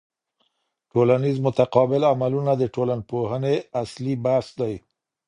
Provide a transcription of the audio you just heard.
ټولنیز متقابل عملونه د ټولنپوهني اصلي بحث دی.